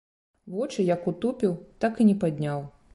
Вочы як утупіў, так і не падняў.